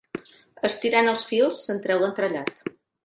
Estirant els fils, se'n treu l'entrellat.